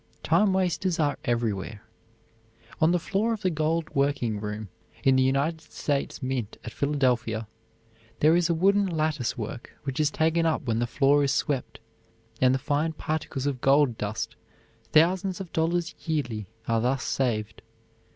Time wasters are everywhere. On the floor of the gold working room, in the United States Mint at Philadelphia, there is a wooden lattice work which is taken up when the floor is swept, and the fine particles of gold dust, thousands of dollars' yearly, are thus saved.